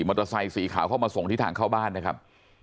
เตอร์ไซค์สีขาวเข้ามาส่งที่ทางเข้าบ้านนะครับ